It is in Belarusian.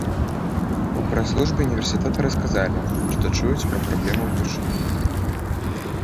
У прэс-службе ўніверсітэта расказалі, што чуюць пра праблему ўпершыню.